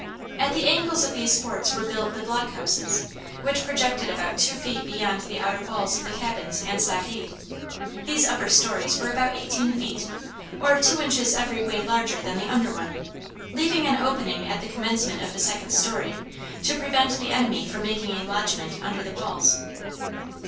At the angles of these forts were built the block houses, which projected about two feet beyond the outer walls of the cabins and stockade; these upper stories were about eighteen feet, or two inches every way larger than the under one, leaving an opening at the commencement of the second story, to prevent the enemy from making a lodgment under the walls.